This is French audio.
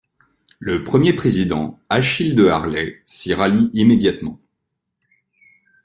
Le Premier président Achille de Harlay s’y rallie immédiatement.